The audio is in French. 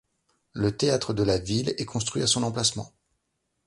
Le théâtre de la Ville est construit à son emplacement.